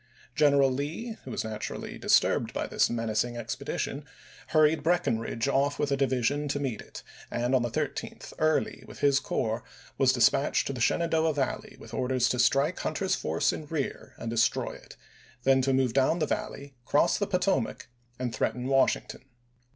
General Lee, who was naturally disturbed by this menacing expedition, hurried Breckinridge off with a division to meet it, and on the 13th Early, June.ise*. with his corps, was dispatched to the Shenandoah Valley, with orders to strike Hunter's force in rear and destroy it; then to move down the Valley, cross the Potomac, and threaten Washington.